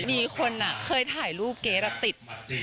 มีคนเคยถ่ายรูปเกรทติด